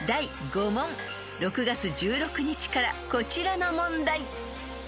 ［６月１６日からこちらの問題］